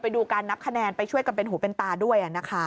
ดูการนับคะแนนไปช่วยกันเป็นหูเป็นตาด้วยนะคะ